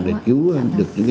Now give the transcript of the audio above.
cảm ơn các bạn đã theo dõi